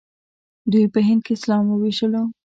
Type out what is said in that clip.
دوی په هند کې اسلام وويشلو.